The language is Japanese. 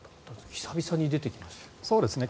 久々に出てきましたね。